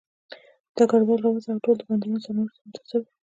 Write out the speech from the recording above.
ډګروال راورسېد او ټول د بندیانو سرنوشت ته منتظر وو